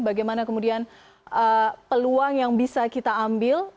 bagaimana kemudian peluang yang bisa kita ambil